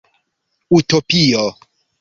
Utopio